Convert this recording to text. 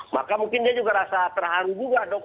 maka mungkin dia juga rasa terhangu juga dong